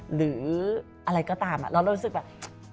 หรืออะไรก็ตามเรารู้สึกแบบ